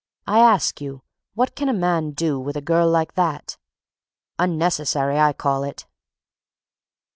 I ask you, what can a man do with a girl like that? Unnecessary, I call it."